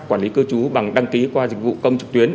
quản lý cư trú bằng đăng ký qua dịch vụ công trực tuyến